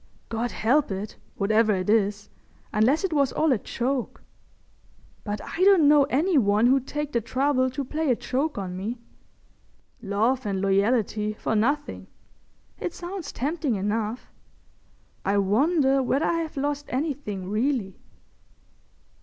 God help it, whatever it is—unless it was all a joke. But I don't know any one who'd take the trouble to play a joke on me.... Love and loyalty for nothing. It sounds tempting enough. I wonder whether I have lost anything really?"